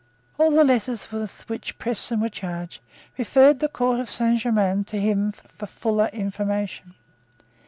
All the letters with which Preston was charged referred the Court of Saint Germains to him for fuller information.